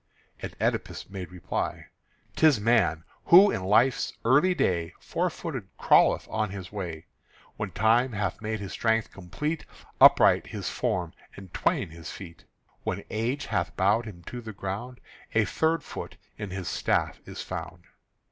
And Oedipus made reply: "'Tis man, who in life's early day Four footed crawleth on his way; When time hath made his strength complete, Upright his form and twain his feet; When age hath bowed him to the ground A third foot in his staff is found."